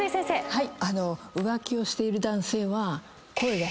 はい。